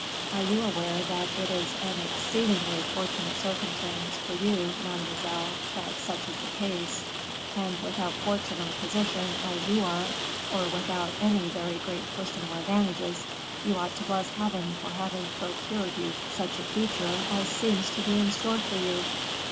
"Are you aware that it is an exceedingly fortunate circumstance for you, mademoiselle, that such is the case, and without fortune or position, as you are, or without any very great personal advantages, you ought to bless Heaven for having procured you such a future as seems to be in store for you?"